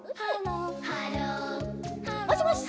もしもし？